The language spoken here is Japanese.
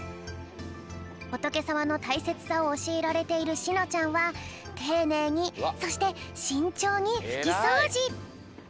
ほとけさまのたいせつさをおしえられているしのちゃんはていねいにそしてしんちょうにふきそうじ。